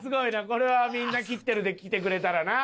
これはみんな切ってるで来てくれたらな。